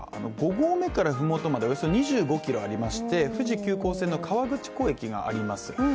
５合目から麓までおよそ２５ｋｍありまして、富士急行線の河口湖駅があります。